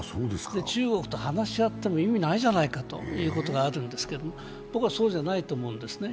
中国と話し合っても意味ないじゃないかということがあるんですけれども、僕はそうじゃないと思うんですね。